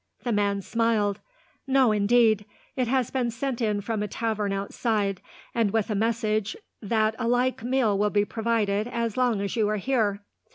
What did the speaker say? The man smiled. "No, indeed. It has been sent in from a tavern outside, and with a message that a like meal will be provided, as long as you are here.